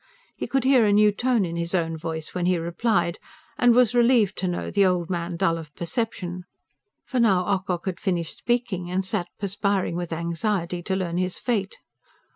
He could hear a new tone in his own voice when he replied, and was relieved to know the old man dull of perception. For now Ocock had finished speaking, and sat perspiring with anxiety to learn his fate.